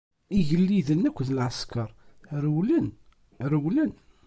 Igelliden akked lɛesker rewlen, rewlen.